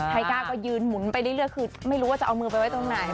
ทัยก้าก็ยืนหมุนไปเรื่อยไม่รู้ว่าจะเอามือไปไหน